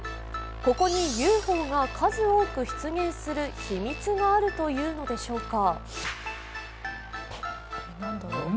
ここにＵＦＯが数多く出現する秘密があるというのでしょうか。